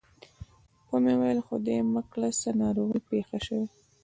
و مې ویل خدای مه کړه څه ناروغي پېښه شوې.